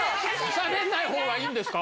しゃべらないほうがいいんですか。